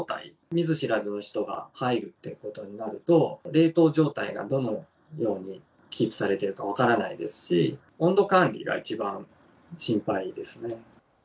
見ず知らずの人が入るっていうことになると、冷凍状態がどのようにキープされているか分からないですし、温度管理が一番心配ですね。